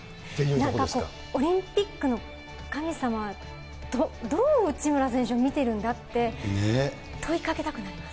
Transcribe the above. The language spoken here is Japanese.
なんかこう、オリンピックの神様、どう内村選手見てるんだって問いかけたくなります。